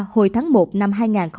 hồi tháng một năm hai nghìn hai mươi một